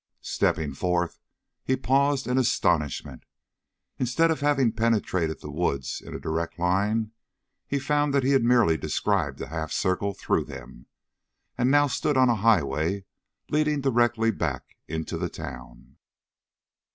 Stepping forth, he paused in astonishment. Instead of having penetrated the woods in a direct line, he found that he had merely described a half circle through them, and now stood on a highway leading directly back into the town.